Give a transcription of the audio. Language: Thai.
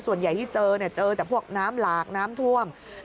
ส่วนใหญ่ที่เจอเจอแต่พวกน้ำหลากน้ำท่วม